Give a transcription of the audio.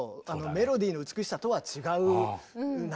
メロディーの美しさとは違う何かがあって。